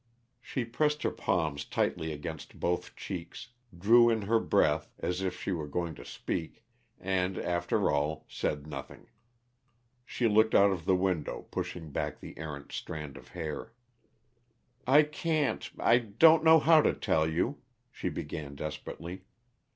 She pressed her palms tightly against both cheeks, drew in her breath as if she were going to speak, and, after all, said nothing. She looked out of the window, pushing back the errant strand of hair. "I can't I don't know how to tell you," she began desperately.